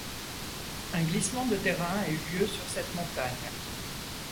Un glissement de terrain a eu lieu sur cette montagne.